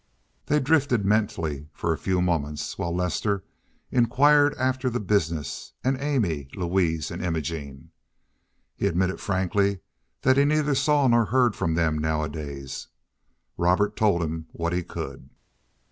They drifted mentally for a few moments, while Lester inquired after the business, and Amy, Louise, and Imogene. He admitted frankly that he neither saw nor heard from them nowadays. Robert told him what he could.